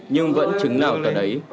nhưng vẫn chứng nào cả đấy